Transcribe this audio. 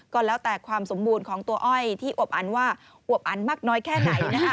ก็แล้วแต่ความสมบูรณ์ของตัวอ้อยที่อวบอันว่าอวบอันมากน้อยแค่ไหนนะคะ